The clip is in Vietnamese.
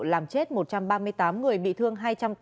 làm chết một trăm ba mươi tám người bị thương